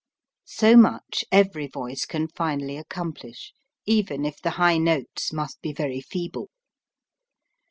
So much every voice can finally accomplish, even if the high notes must be very feeble.